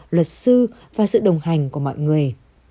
luật sư và sự đồng hành của mọi người